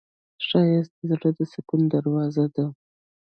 ښایست د زړه د سکون دروازه ده